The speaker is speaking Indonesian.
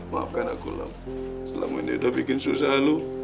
maafkan aku terlalu lama ini sudah bikin sujar alu